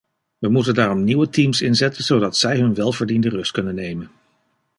We moeten daarom nieuwe teams inzetten zodat zij hun welverdiende rust kunnen nemen.